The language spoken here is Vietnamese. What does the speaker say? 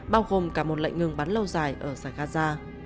bao gồm cả một lệnh ngừng bắn lâu dài ở giải gaza